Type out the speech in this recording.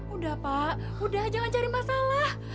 udah pak udah jangan cari masalah